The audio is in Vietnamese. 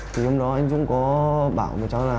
thì hôm đó anh dũng có bảo